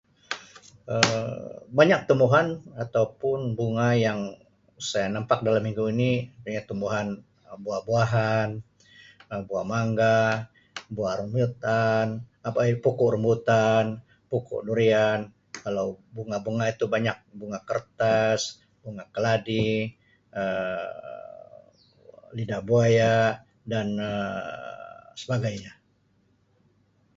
Um Banyak tumbuhan atau pun bunga yang saya nampak dalam minggu ni banyak tumbuhan buah-buahan,[Um] buah mangga, buah rambutan apa e pokok rambutan, pokok durian, kalau bunga bunga itu banyak bunga kertas, bunga keladi,[Um] lidah buaya dan Um sebagainya.